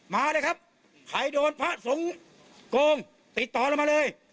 มาเลยครับใครโดนพระสงฆ์โกงติดต่อเรามาเลย